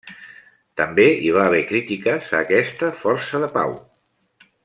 També hi va haver crítiques a aquesta força de pau.